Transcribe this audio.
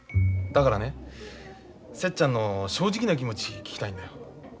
だからね節ちゃんの正直な気持ち聞きたいんだよ。